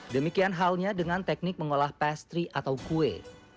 demikian halnya dengan teknik mengolah pastry atau kue